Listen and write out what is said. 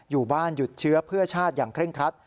อยู่บ้านหยุดเชื้อเพื่อชาติอย่างเคร่งครัด